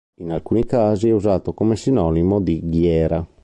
In alcuni casi è usato come sinonimo di ghiera.